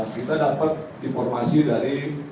kita dapat informasi dari